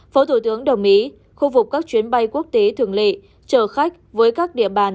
phó thủ tướng đồng ý khôi phục các chuyến bay quốc tế thường lệ trở khách với các địa bàn